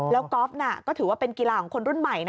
แล้วก๊อฟก็ถือว่าเป็นกีฬาของคนรุ่นใหม่นะ